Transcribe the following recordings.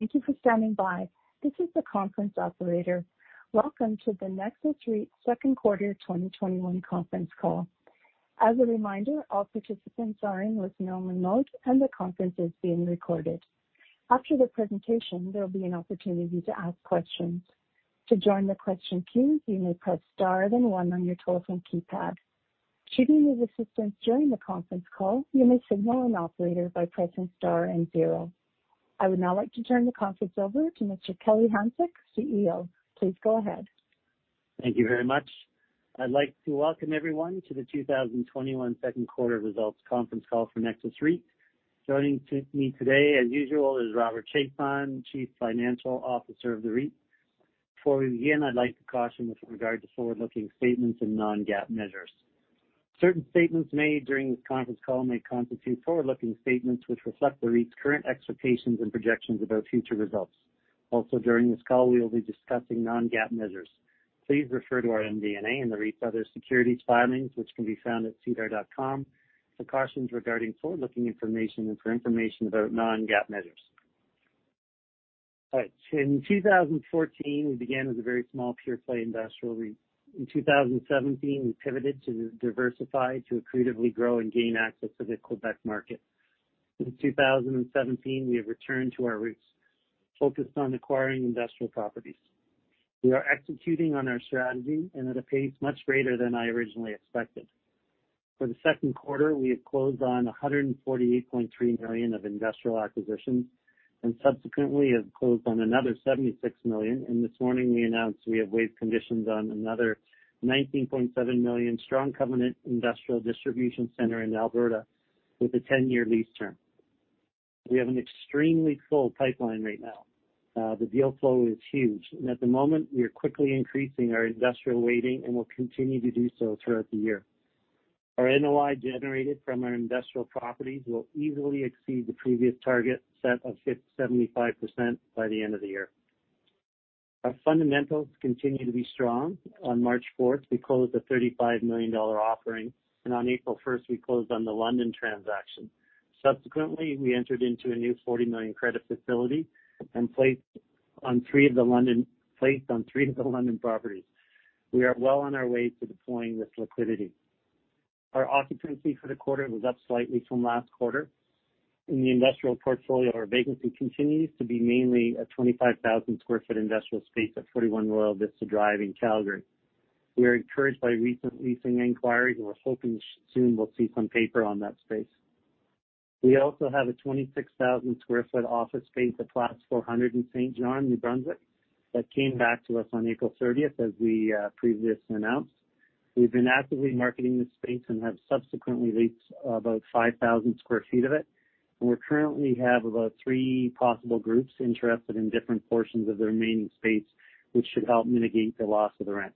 Thank you for standing by. This is the conference operator. Welcome to the Nexus REIT second quarter 2021 conference call. As a reminder, all participants are in listen-only mode, and the conference is being recorded. After the presentation, there will be an opportunity to ask questions. To join the question queue, you may press star then 1 on your telephone keypad. Should you need assistance during the conference call, you may signal an operator by pressing star and 0. I would now like to turn the conference over to Mr. Kelly Hanczyk, CEO. Please go ahead. Thank you very much. I'd like to welcome everyone to the 2021 second quarter results conference call for Nexus REIT. Joining me today, as usual, is Robert Chiasson, Chief Financial Officer of the REIT. Before we begin, I'd like to caution with regard to forward-looking statements and non-GAAP measures. Certain statements made during this conference call may constitute forward-looking statements which reflect the REIT's current expectations and projections about future results. During this call, we will be discussing non-GAAP measures. Please refer to our MD&A and the REIT's other securities filings, which can be found at sedar.com for cautions regarding forward-looking information and for information about non-GAAP measures. All right. In 2014, we began as a very small pure-play industrial REIT. In 2017, we pivoted to diversify to accretively grow and gain access to the Quebec market. In 2017, we returned to our roots, focused on acquiring industrial properties. We are executing on our strategy at a pace much greater than I originally expected. For the second quarter, we have closed on 148.3 million of industrial acquisitions and subsequently have closed on another 76 million. This morning we announced we have waived conditions on another 19.7 million strong covenant industrial distribution center in Alberta with a 10-year lease term. We have an extremely full pipeline right now. The deal flow is huge, and at the moment, we are quickly increasing our industrial weighting and will continue to do so throughout the year. Our NOI generated from our industrial properties will easily exceed the previous target set of 75% by the end of the year. Our fundamentals continue to be strong. On March 4th, we closed a 35 million dollar offering, and on April 1st, we closed on the London transaction. Subsequently, we entered into a new 40 million credit facility and placed on 3 of the London properties. We are well on our way to deploying this liquidity. Our occupancy for the quarter was up slightly from last quarter. In the industrial portfolio, our vacancy continues to be mainly a 25,000 sq ft industrial space at 41 Royal Vista Drive in Calgary. We are encouraged by recent leasing inquiries, and we're hoping soon we'll see some paper on that space. We also have a 26,000 sq ft office space at Place 400 in Saint John, New Brunswick, that came back to us on April 30th, as we previously announced. We've been actively marketing this space and have subsequently leased about 5,000 sq ft of it. We currently have about 3 possible groups interested in different portions of the remaining space, which should help mitigate the loss of the rent.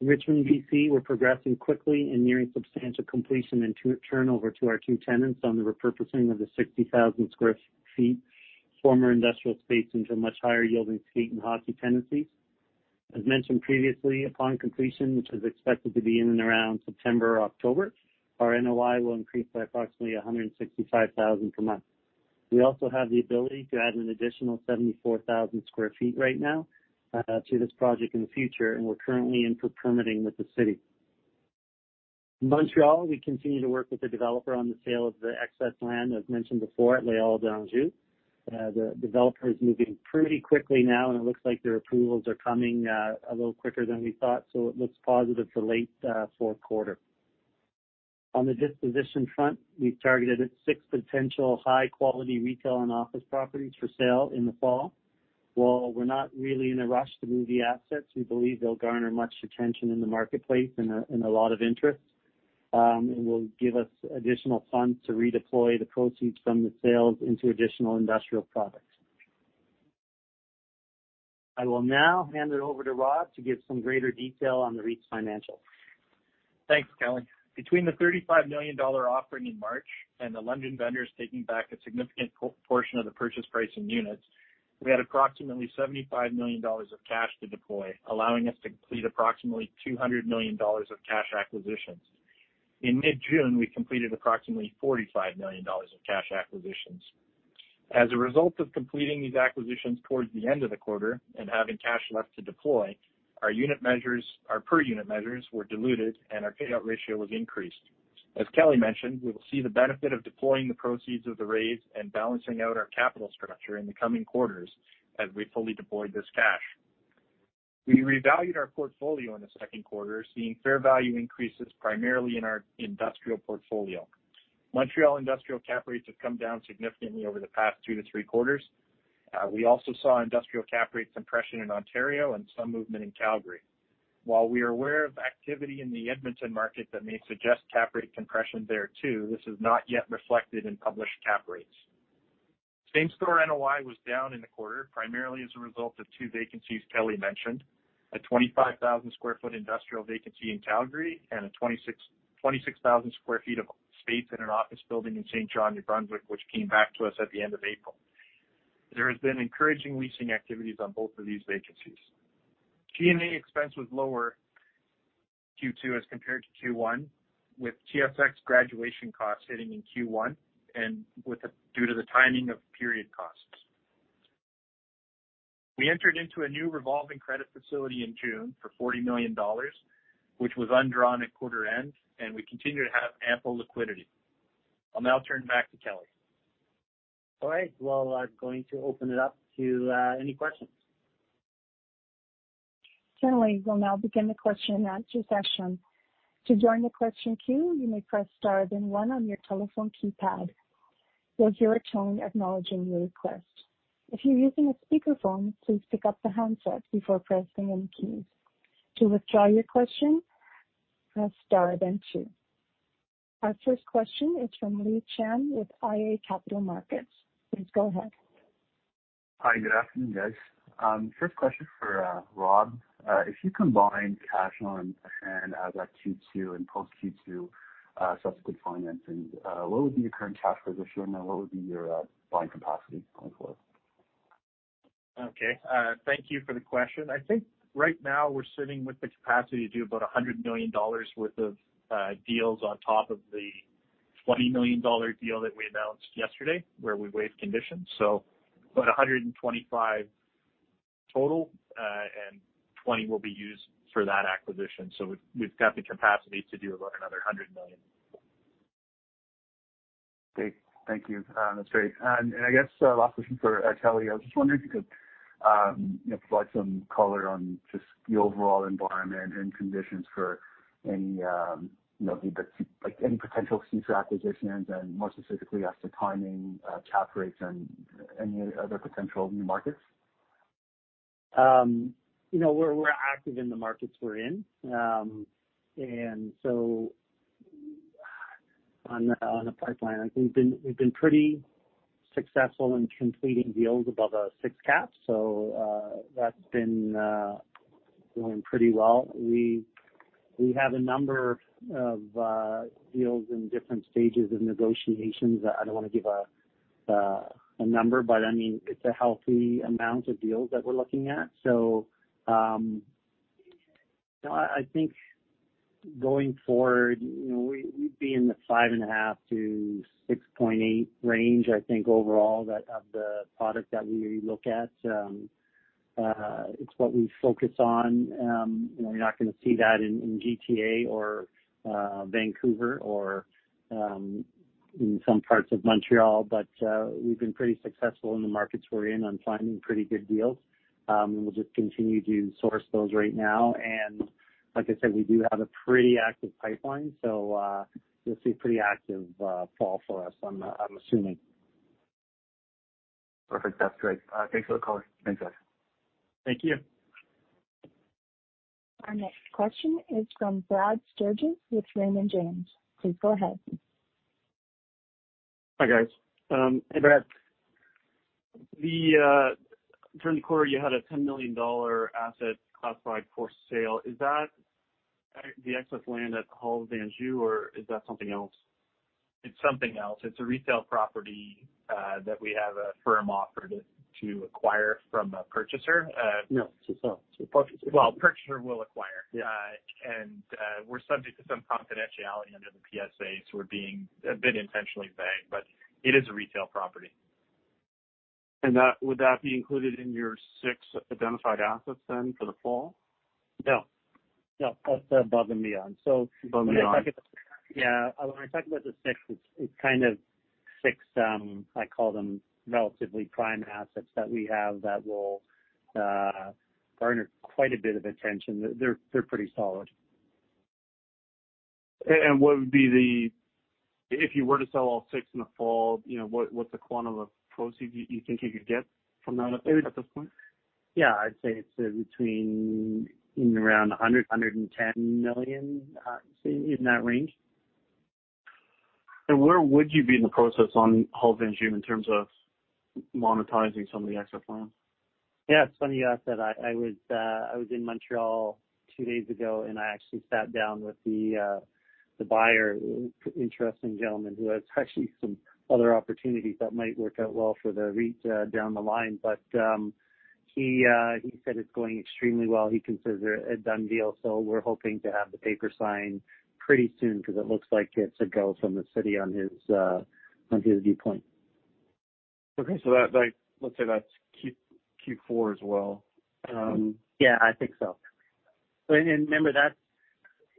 In Richmond, B.C., we're progressing quickly and nearing substantial completion and turnover to our 2 tenants on the repurposing of the 60,000 sq ft former industrial space into much higher yielding skatepark and hockey tenancies. As mentioned previously, upon completion, which is expected to be in and around September or October, our NOI will increase by approximately 165,000 per month. We also have the ability to add an additional 74,000 sq ft right now to this project in the future, and we're currently in for permitting with the city. In Montreal, we continue to work with the developer on the sale of the excess land, as mentioned before, at Les Halles d'Anjou. The developer is moving pretty quickly now. It looks like their approvals are coming a little quicker than we thought. It looks positive for late 4th quarter. On the disposition front, we've targeted 6 potential high-quality retail and office properties for sale in the fall. While we're not really in a rush to move the assets, we believe they'll garner much attention in the marketplace and a lot of interest, and will give us additional funds to redeploy the proceeds from the sales into additional industrial product. I will now hand it over to Rob to give some greater detail on the REIT's financials. Thanks, Kelly. Between the 35 million dollar offering in March and the London vendors taking back a significant portion of the purchase price in units, we had approximately 75 million dollars of cash to deploy, allowing us to complete approximately 200 million dollars of cash acquisitions. In mid-June, we completed approximately 45 million dollars of cash acquisitions. As a result of completing these acquisitions towards the end of the quarter and having cash left to deploy, our per unit measures were diluted, and our payout ratio was increased. As Kelly mentioned, we will see the benefit of deploying the proceeds of the raise and balancing out our capital structure in the coming quarters as we fully deploy this cash. We revalued our portfolio in the second quarter, seeing fair value increases primarily in our industrial portfolio. Montreal industrial cap rates have come down significantly over the past 2-3 quarters. We also saw industrial cap rates compression in Ontario and some movement in Calgary. While we are aware of activity in the Edmonton market that may suggest cap rate compression there too, this is not yet reflected in published cap rates. Same-store NOI was down in the quarter, primarily as a result of 2 vacancies Kelly mentioned: a 25,000 square foot industrial vacancy in Calgary and a 26,000 square feet of space in an office building in Saint John, New Brunswick, which came back to us at the end of April. There has been encouraging leasing activities on both of these vacancies. G&A expense was lower in Q2 as compared to Q1, with TSX graduation costs hitting in Q1 and due to the timing of period costs. We entered into a new revolving credit facility in June for 40 million dollars, which was undrawn at quarter end, and we continue to have ample liquidity. I'll now turn back to Kelly. All right. Well, I'm going to open it up to any questions. Certainly. Our first question is from Lee Chen with iA Capital Markets. Please go ahead. Hi. Good afternoon, guys. First question for Rob. If you combine cash on hand as at Q2 and post Q2 subsequent financings, what would be your current cash position and what would be your buying capacity going forward? Okay. Thank you for the question. I think right now we're sitting with the capacity to do about 100 million dollars worth of deals on top of the 20 million dollar deal that we announced yesterday, where we waived conditions. About 125 total, and 20 will be used for that acquisition. We've got the capacity to do about another 100 million. Great. Thank you. That's great. I guess last question for Kelly. I was just wondering if you could provide some color on just the overall environment and conditions for any potential future acquisitions and more specifically as to timing, cap rates, and any other potential new markets. We're active in the markets we're in. On the pipeline, I think we've been pretty successful in completing deals above a 6% cap rate. That's been going pretty well. We have a number of deals in different stages of negotiations. I don't want to give a number, but it's a healthy amount of deals that we're looking at. I think going forward, we'd be in the 5.5%-6.8% range, I think overall of the product that we look at. It's what we focus on. You're not going to see that in GTA or Vancouver or in some parts of Montreal. We've been pretty successful in the markets we're in on finding pretty good deals. We'll just continue to source those right now. Like I said, we do have a pretty active pipeline, so you'll see a pretty active fall for us, I'm assuming. Perfect. That's great. Thanks for the color. Thanks, guys. Thank you. Our next question is from Brad Sturges with Raymond James. Please go ahead. Hi, guys. Hey, Brad. During the quarter, you had a 10 million dollar asset classified for sale. Is that the excess land at the Halles d'Anjou, or is that something else? It's something else. It's a retail property that we have a firm offer to acquire from a purchaser. No. To sell to a purchaser. Well, purchaser will acquire. Yeah. We're subject to some confidentiality under the PSAs. We're being a bit intentionally vague, but it is a retail property. Would that be included in your six identified assets then for the fall? No. That's above and beyond. Above and beyond. Yeah. When I talk about the six, it's kind of six, I call them relatively prime assets that we have that will garner quite a bit of attention. They're pretty solid. If you were to sell all six in the fall, what's the quantum of proceeds you think you could get from that at this point? Yeah, I'd say it's between in around 100 million, 110 million, in that range. Where would you be in the process on Halles d'Anjou in terms of monetizing some of the excess lands? Yeah, it's funny you ask that. I was in Montreal 2 days ago, I actually sat down with the buyer, interesting gentleman who has actually some other opportunities that might work out well for the REIT down the line. He said it's going extremely well. He considers it a done deal. We're hoping to have the paper signed pretty soon because it looks like it's a go from the city on his viewpoint. Okay, let's say that's Q4 as well. Yeah, I think so. Remember,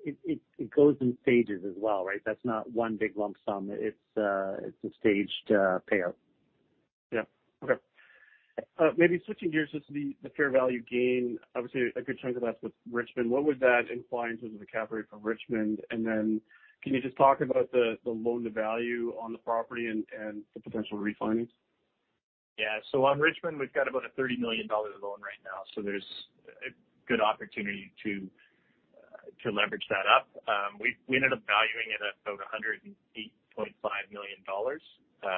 it goes in stages as well, right? That's not one big lump sum. It's a staged payout. Yeah. Okay. Maybe switching gears just to the fair value gain. Obviously, a good chunk of that's with Richmond. What would that imply in terms of the cap rate for Richmond? Can you just talk about the loan to value on the property and the potential refinancing? On Richmond, we've got about a 30 million dollar loan right now, there's a good opportunity to leverage that up. We ended up valuing it at about 108.5 million dollars,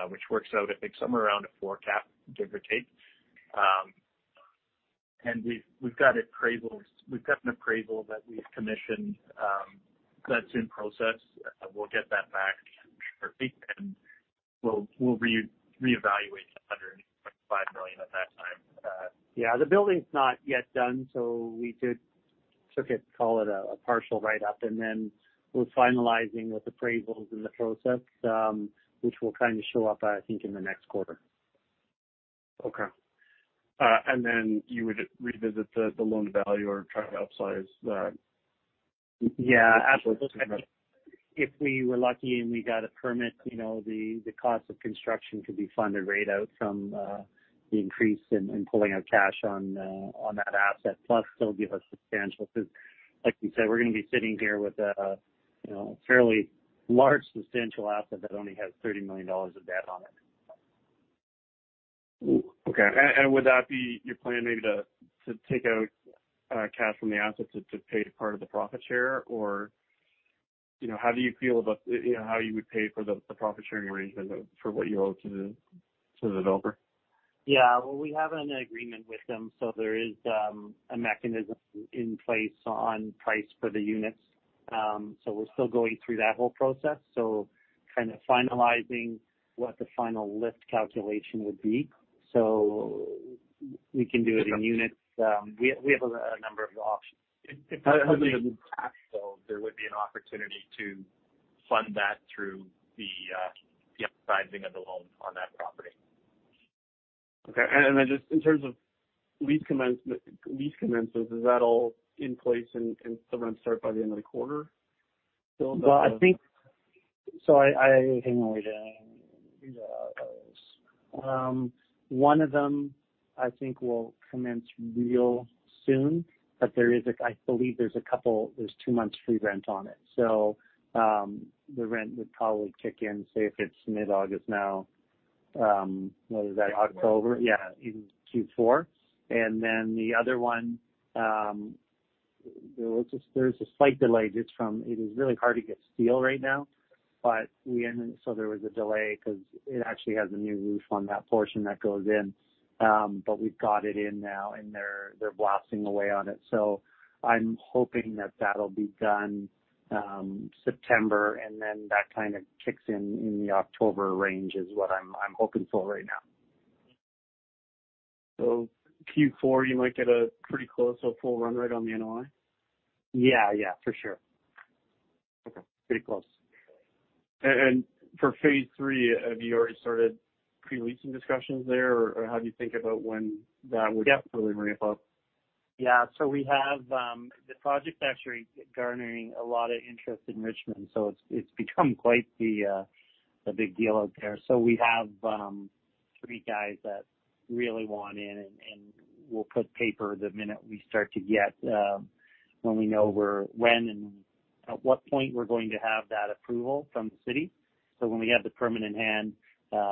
which works out I think somewhere 4% cap rate, give or take. We've got an appraisal that we've commissioned that's in process. We'll get that back in a short week. At that time, yeah, the building's not yet done, so we took it, call it a partial write-up, and then we're finalizing with appraisals in the process, which will show up, I think, in the next quarter. Okay. Then you would revisit the loan value or try to upsize that? Yeah, absolutely. If we were lucky and we got a permit, the cost of construction could be funded right out from the increase in pulling out cash on that asset, plus they'll give us substantial, because like you said, we're going to be sitting here with a fairly large, substantial asset that only has 30 million dollars of debt on it. Okay. Would that be your plan maybe to take out cash from the asset to pay part of the profit share? How do you feel about how you would pay for the profit-sharing arrangement for what you owe to the developer? Yeah. Well, we have an agreement with them, so there is a mechanism in place on price for the units. We're still going through that whole process, so kind of finalizing what the final lift calculation would be. We can do it in units. We have a number of options. If it doesn't impact, though, there would be an opportunity to fund that through the upsizing of the loan on that property. Okay. Just in terms of lease commencers, is that all in place and still going to start by the end of the quarter? I hang on. Let me read out those. One of them, I think, will commence real soon. I believe there's two months' free rent on it. The rent would probably kick in, say, if it's mid-August now, what is that? October. Yeah, in Q4. The other one, there's a slight delay just from, it is really hard to get steel right now. There was a delay because it actually has a new roof on that portion that goes in. We've got it in now, and they're blasting away on it. I'm hoping that that'll be done, September, and then that kind of kicks in in the October range, is what I'm hoping for right now. Q4, you might get a pretty close or full run rate on the NOI? Yeah. For sure. Okay. Pretty close. For phase 3, have you already started pre-leasing discussions there, or how do you think about? Yeah fully ramp up? Yeah. We have the project that's actually garnering a lot of interest in Richmond, so it's become quite the big deal out there. We have three guys that really want in, and we'll put paper the minute we know when and at what point we're going to have that approval from the city. When we have the permit in hand,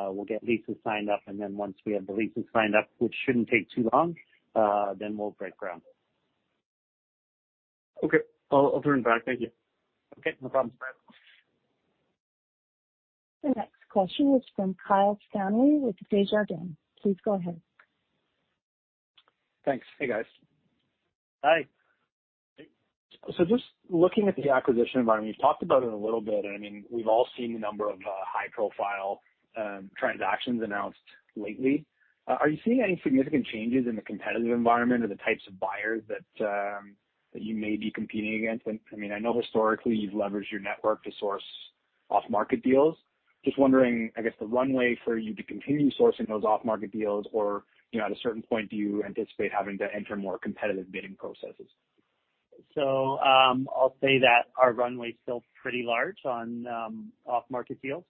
we'll get leases signed up, and then once we have the leases signed up, which shouldn't take too long, then we'll break ground. Okay. I'll turn back. Thank you. Okay, no problem. Bye. The next question is from Kyle Stanley with Desjardins. Please go ahead. Thanks. Hey, guys. Hi. Just looking at the acquisition environment, you've talked about it a little bit, I mean, we've all seen the number of high-profile transactions announced lately. Are you seeing any significant changes in the competitive environment or the types of buyers that you may be competing against? I know historically you've leveraged your network to source off-market deals. Just wondering, I guess, the runway for you to continue sourcing those off-market deals or, at a certain point, do you anticipate having to enter more competitive bidding processes? I'll say that our runway's still pretty large on off-market deals.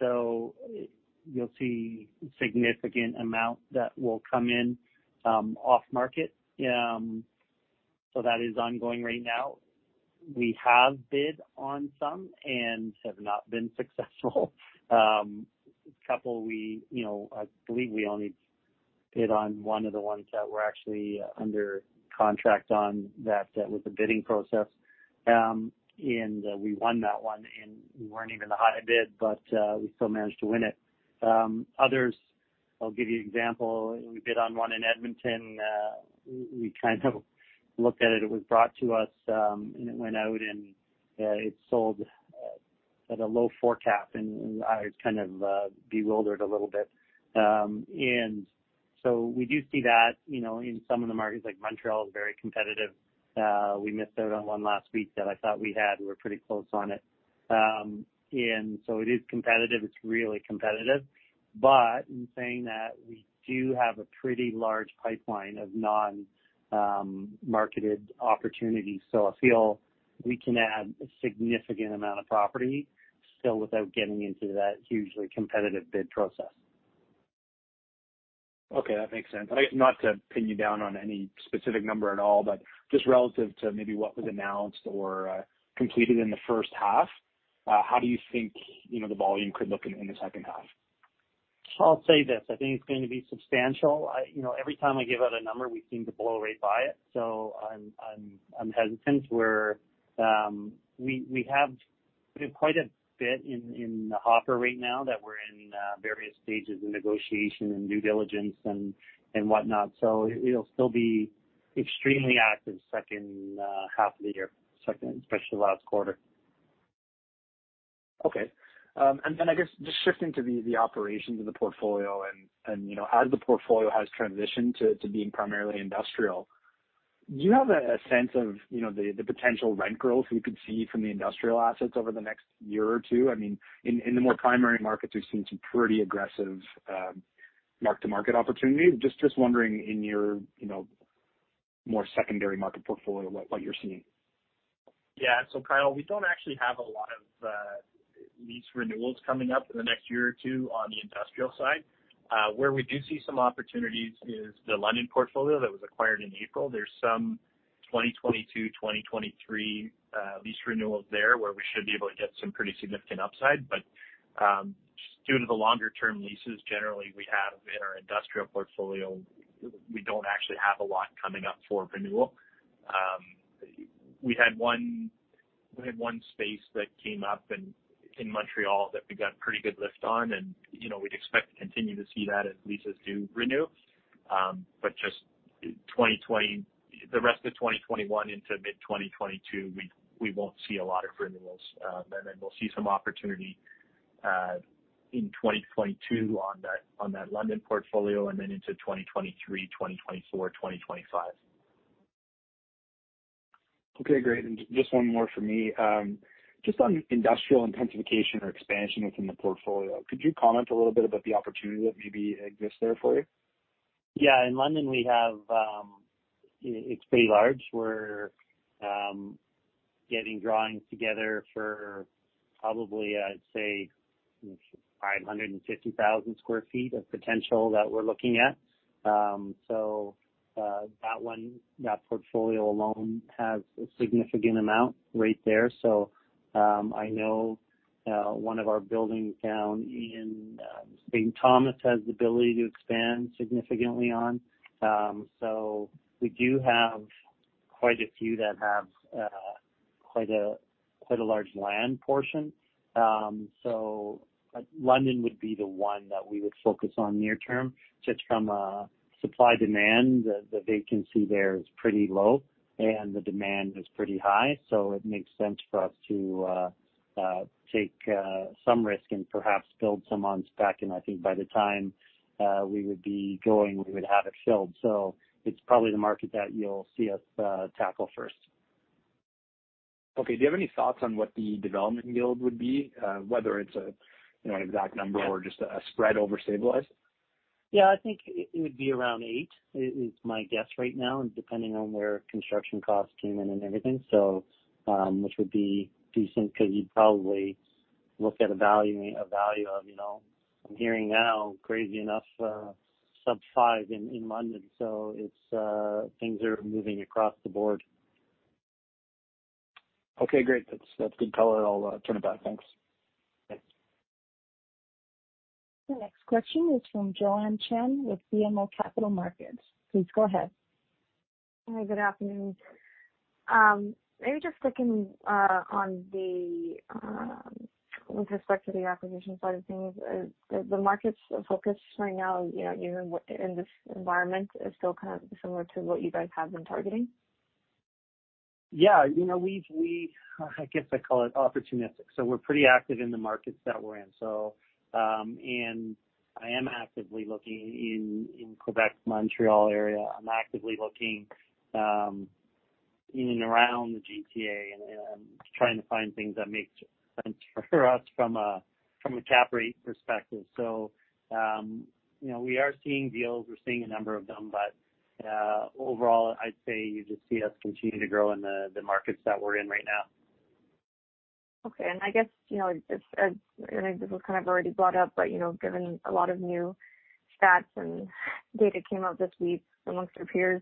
You'll see significant amount that will come in off-market. That is ongoing right now. We have bid on some and have not been successful. A couple, I believe we only bid on one of the ones that we're actually under contract on, that was a bidding process. We won that one, and we weren't even the high bid, but we still managed to win it. Others, I'll give you example. We bid on one in Edmonton. We kind of looked at it. It was brought to us, and it went out, and it sold at a low forecast, and I was kind of bewildered a little bit. We do see that in some of the markets, like Montreal is very competitive. We missed out on one last week that I thought we had. We were pretty close on it. It is competitive. It's really competitive. In saying that, we do have a pretty large pipeline of non-marketed opportunities. I feel we can add a significant amount of property still without getting into that hugely competitive bid process. Okay, that makes sense. Not to pin you down on any specific number at all, but just relative to maybe what was announced or completed in the first half, how do you think the volume could look in the second half? I'll say this. I think it's going to be substantial. Every time I give out a number, we seem to blow right by it. We have quite a bit in the hopper right now that we're in various stages of negotiation and due diligence and whatnot. It'll still be extremely active second half of the year, especially last quarter. Okay. Then I guess just shifting to the operations of the portfolio and as the portfolio has transitioned to being primarily industrial, do you have a sense of the potential rent growth we could see from the industrial assets over the next year or two? In the more primary markets, we've seen some pretty aggressive mark-to-market opportunities. Just wondering in your more secondary market portfolio, what you're seeing? Kyle, we don't actually have a lot of lease renewals coming up in the next year or 2 on the industrial side. Where we do see some opportunities is the London portfolio that was acquired in April. There's some 2022, 2023 lease renewals there, where we should be able to get some pretty significant upside. Just due to the longer-term leases, generally we have in our industrial portfolio, we don't actually have a lot coming up for renewal. We had 1 space that came up in Montreal that we got pretty good lift on, and we'd expect to continue to see that as leases do renew. Just the rest of 2021 into mid-2022, we won't see a lot of renewals. We'll see some opportunity in 2022 on that London portfolio, and then into 2023, 2024, 2025. Okay, great. Just one more from me. Just on industrial intensification or expansion within the portfolio, could you comment a little bit about the opportunity that maybe exists there for you? Yeah. In London, it's pretty large. We're getting drawings together for probably, I'd say, 550,000 sq ft of potential that we're looking at. That one, that portfolio alone has a significant amount right there. I know one of our buildings down in St. Thomas has the ability to expand significantly on. We do have quite a few that have quite a large land portion. London would be the one that we would focus on near term, just from a supply-demand. The vacancy there is pretty low and the demand is pretty high, so it makes sense for us to take some risk and perhaps build some on spec. I think by the time we would be going, we would have it filled. It's probably the market that you'll see us tackle first. Okay. Do you have any thoughts on what the development yield would be? Whether it's an exact number or just a spread over stabilized? Yeah, I think it would be around 8%, is my guess right now. Depending on where construction costs came in and everything. Which would be decent because you'd probably look at a value of, I'm hearing now crazy enough, sub 5% in London. Things are moving across the board. Okay, great. That's good color. I'll turn it back. Thanks. Thanks. The next question is from Joanne Chen with BMO Capital Markets. Please go ahead. Hi, good afternoon. Maybe just with respect to the acquisition side of things, the market's focus right now, even in this environment, is still kind of similar to what you guys have been targeting? Yeah. I guess I'd call it opportunistic. We're pretty active in the markets that we're in. I am actively looking in Quebec, Montreal area. I'm actively looking in and around the GTA, and I'm trying to find things that make sense for us from a cap rate perspective. We are seeing deals, we're seeing a number of them, overall, I'd say you just see us continue to grow in the markets that we're in right now. Okay. I guess, this was kind of already brought up, but given a lot of new stats and data came out this week amongst our peers,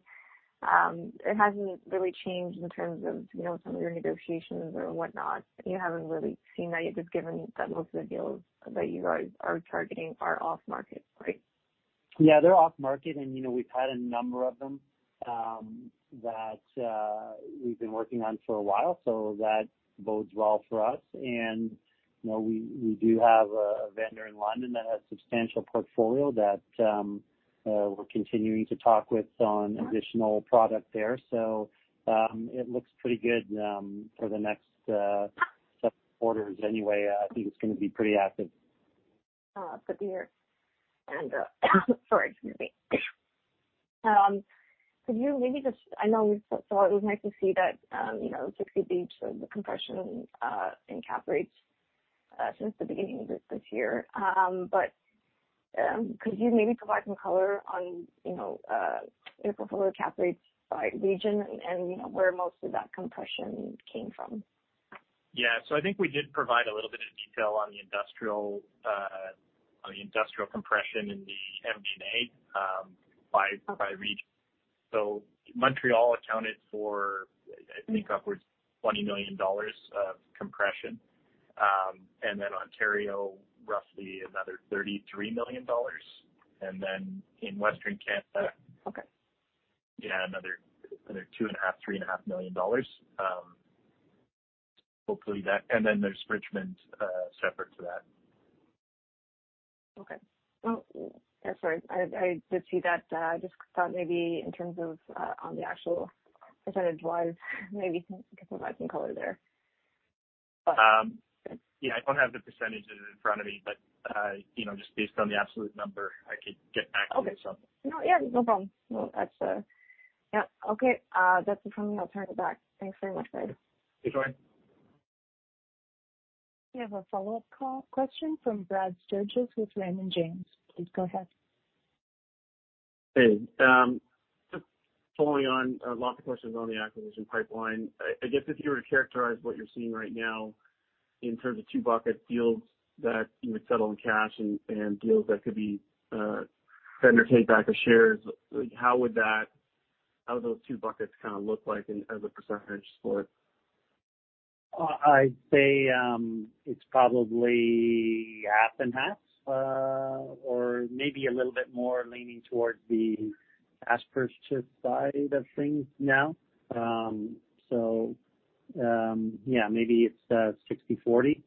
it hasn't really changed in terms of some of your negotiations or whatnot. You haven't really seen that, you've just given that most of the deals that you guys are targeting are off-market, right? Yeah, they're off market. We've had a number of them that we've been working on for a while, that bodes well for us. We do have a vendor in London that has substantial portfolio that we're continuing to talk with on additional product there. It looks pretty good for the next several quarters anyway. I think it's going to be pretty active. Good to hear. Sorry, excuse me. I know, it was nice to see that there could be the compression in cap rates since the beginning of this year. Could you maybe provide some color on your portfolio cap rates by region and where most of that compression came from? Yeah. I think we did provide a little bit of detail on the industrial compression in the MD&A by region. Montreal accounted for, I think, upwards of 20 million dollars of compression. Ontario, roughly another 33 million dollars. In Western Canada- Okay another two and a half, 3.5 million dollars. There's Richmond, separate to that Okay. Oh, yeah, sorry. I did see that. I just thought maybe in terms of on the actual percentage-wise, maybe you can provide some color there. Yeah, I don't have the percentages in front of me, but just based on the absolute number, I could get back to you. Okay. No, yeah, no problem. Yeah. Okay, that's confirming. I'll turn it back. Thanks very much, Brad. Okay. We have a follow-up question from Brad Sturges with Raymond James. Please go ahead. Hey. Just following on lots of questions on the acquisition pipeline. I guess if you were to characterize what you are seeing right now in terms of two bucket deals that you would settle in cash and deals that could be vendor take-back of shares, how would those two buckets kind of look like as a percentage split? I'd say it's probably half and half or maybe a little bit more leaning towards the cash purchase side of things now. Yeah, maybe it's 60/40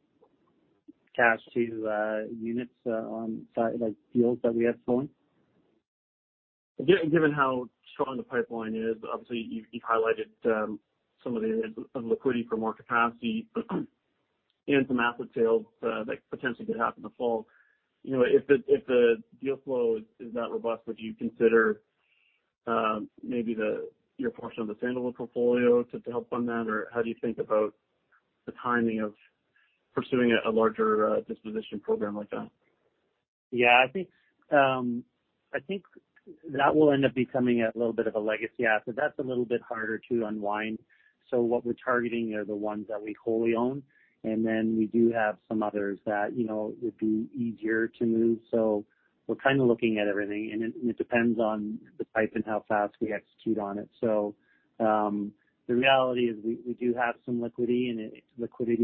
cash to units on side, like deals that we have flowing. Given how strong the pipeline is, obviously you've highlighted some of the liquidity for more capacity and some asset sales that potentially could happen in the fall. If the deal flow is that robust, would you consider maybe your portion of the Sandalwood portfolio to help fund that? How do you think about the timing of pursuing a larger disposition program like that? Yeah, I think that will end up becoming a little bit of a legacy asset. That's a little bit harder to unwind. What we're targeting are the ones that we wholly own, and then we do have some others that would be easier to move. We're kind of looking at everything, and it depends on the type and how fast we execute on it. The reality is we do have some liquidity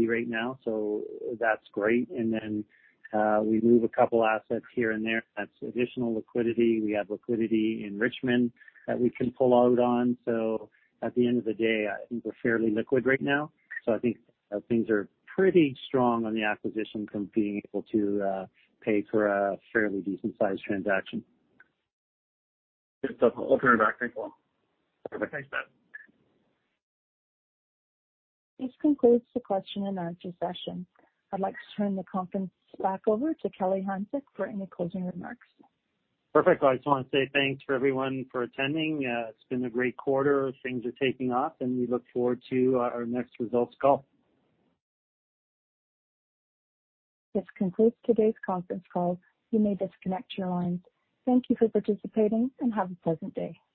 right now, so that's great. Then we move a couple assets here and there. That's additional liquidity. We have liquidity in Richmond that we can pull out on. At the end of the day, I think we're fairly liquid right now. I think things are pretty strong on the acquisition from being able to pay for a fairly decent sized transaction. Good stuff. I'll turn it back. Thanks a lot. Okay, thanks, Brad. This concludes the question and answer session. I'd like to turn the conference back over to Kelly Hanczyk for any closing remarks. Perfect. I just want to say thanks for everyone for attending. It's been a great quarter. Things are taking off, and we look forward to our next results call. This concludes today's conference call. You may disconnect your lines. Thank you for participating, and have a pleasant day.